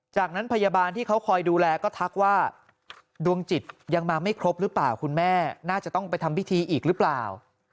จากนั้นพยาบาลที่เขาคอยดูแลก็ทักว่าดวงจิตยังมาไม่ครบหรือเปล่าคุณแม่น่าจะต้องไปทำพิธีอีกหรือเปล่า